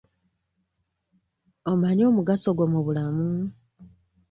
Omanyi omugaso gwo mu bulamu?